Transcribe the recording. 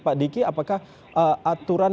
pak diki apakah aturan